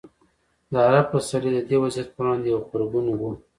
د عرب پسرلی د دې وضعیت پر وړاندې یو غبرګون و.